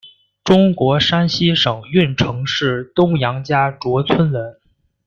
中国山西省运城市东杨家卓村人。